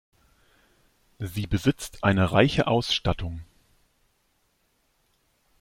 Sie besitzt eine reiche Ausstattung.